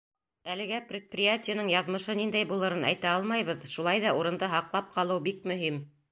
Әлегә предприятиеның яҙмышы ниндәй булырын әйтә алмайбыҙ, шулай ҙа урынды һаҡлап ҡалыу бик мөһим.